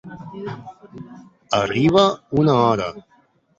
Arriba una hora.